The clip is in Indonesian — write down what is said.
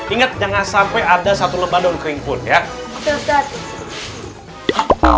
ingat jangan sampai ada satu lembah daun kering pun ya